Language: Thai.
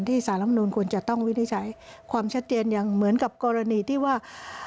สารรัฐมนุนควรจะต้องวินิจฉัยความชัดเจนยังเหมือนกับกรณีที่ว่า